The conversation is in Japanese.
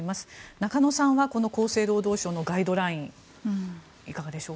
中野さんは、厚生労働省のガイドラインはどうでしょう？